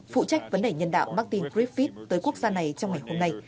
phụ trách vấn đề nhân đạo martin griffith tới quốc gia này trong ngày hôm nay